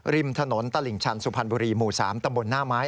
ริมถนนตลิ่งชันสุพรรณบุรีหมู่๓ตำบลหน้าไม้